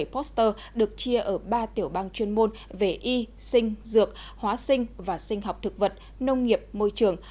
một trăm hai mươi bảy poster được chia ở ba tiểu bang chuyên môn về y sinh dược hóa sinh và sinh học thực vật nông nghiệp môi trường